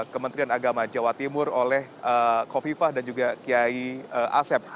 kementerian agama jawa timur oleh kofifah dan juga kiai asep